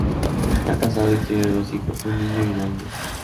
Está casado y tiene dos hijos, un niño y una niña.